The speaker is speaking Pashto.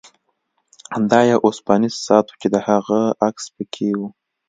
دا یو اوسپنیز ساعت و چې د هغې عکس پکې و